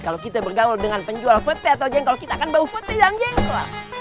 kalau kita bergaul dengan penjual pete atau jengkol kita akan bau foto yang jengkol